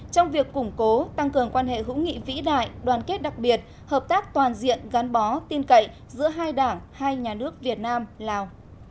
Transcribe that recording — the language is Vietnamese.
trong việc củng cố tăng cường quan hệ hữu nghị vĩ đại đoàn kết đặc biệt hợp tác toàn diện gắn bó tin cậy giữa hai đảng hai nhà nước việt nam lào